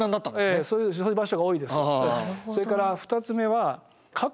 ええそういう場所が多いです。